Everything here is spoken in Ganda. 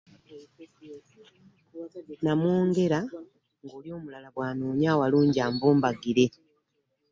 Namwongera nga oli omulala bw'anoonya awalungi anvumbagire.